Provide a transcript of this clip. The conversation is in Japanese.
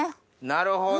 なるほど！